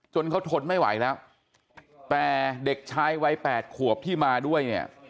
จนเขาทนไม่ไหวแล้วแต่เด็กชายวัย๘ขวบที่มาด้วยเนี่ย